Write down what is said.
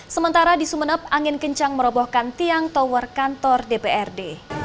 sementara di sumeneb angin kencang merobohkan tiang tower kantor dprd